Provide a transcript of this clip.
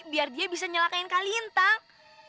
biar dia bisa nyalakain kak lintang